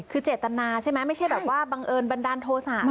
คือเจตนาใช่ไหมไม่ใช่แบบว่าบังเอิญบันดาลโทษะ